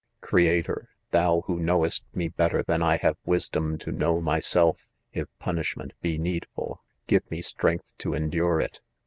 1 Creator, thou who knowest me better than I have wisdom to know myself, if punishment be needful, give me strength to endure it.